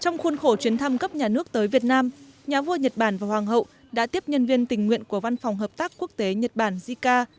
nhà nước tới việt nam nhà vua nhật bản và hoàng hậu đã tiếp nhân viên tình nguyện của văn phòng hợp tác quốc tế nhật bản jica